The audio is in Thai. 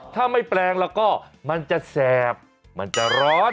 ถ้าไม่แปลงแล้วก็มันจะแสบมันจะร้อน